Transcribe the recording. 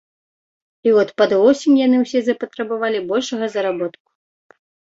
І от пад восень яны ўсе запатрабавалі большага заработку.